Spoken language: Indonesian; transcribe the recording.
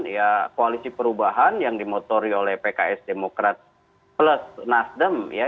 ya koalisi perubahan yang dimotori oleh pks demokrat plus nasdem ya